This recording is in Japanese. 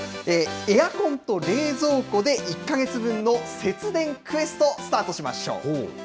エアコンと冷蔵庫で１か月分の節電クエスト、スタートしましょう。